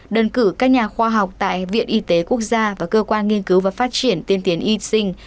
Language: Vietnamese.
đơn cử các nhà khoa học tại viện y tế quốc gia và cơ quan nghiên cứu và phát triển tiên tiến y sinh